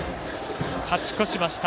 勝ち越しました。